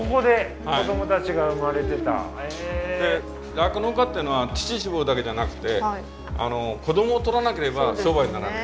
酪農家っていうのは乳搾るだけじゃなくて子どもを取らなければ商売にならない。